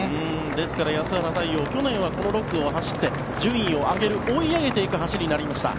ですから安原太陽去年はこの６区を走って順位を上げる追い上げていく走りになりました。